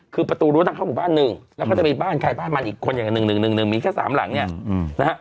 คือประตูรั้วทางเข้าหมู่บ้านหนึ่งแล้วก็จะมีบ้านใครบ้านมันอีกคนอย่างหนึ่ง๑๑มีแค่๓หลังเนี่ยนะฮะ